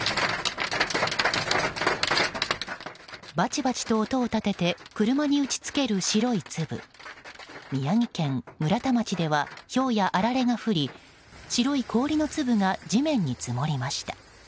バチバチと音を立てて車に打ち付ける白い粒。宮城県村田町ではひょうやあられが降り白い氷の粒が地面に積もりました。